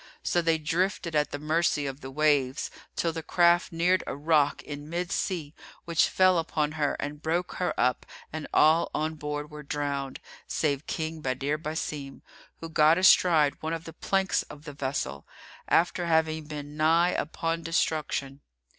So they drifted at the mercy of the waves, till the craft neared a rock in mid sea which fell upon her[FN#336] and broke her up and all on board were drowned, save King Badr Basim who got astride one of the planks of the vessel, after having been nigh upon destruction.